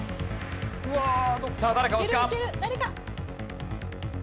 さあ誰か押すか？